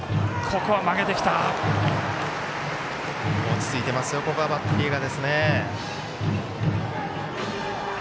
落ち着いてますよ、バッテリーが。